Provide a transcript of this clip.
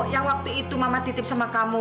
yang waktu itu mama titip sama kamu